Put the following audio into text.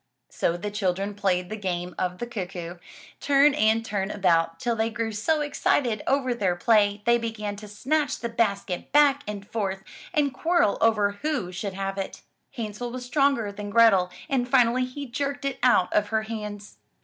So the children played the game of the cuckoo, turn and turn about, till they grew so excited over their play, they began to snatch the basket back and forth and quarrel over who should have it. Hansel was stronger than Grethel and finally he jerked it out of her hands.